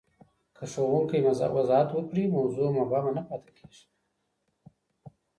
که ښوونکی وضاحت وکړي، موضوع مبهمه نه پاته کېږي.